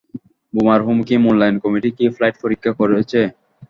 বোমার হুমকি মূল্যায়ন কমিটি কি ফ্লাইট পরীক্ষা করেছে?